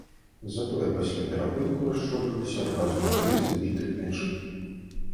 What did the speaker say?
Затое пасля перапынку расшчодрыліся адразу на тры забітыя мячы.